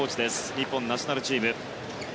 日本ナショナルチーム。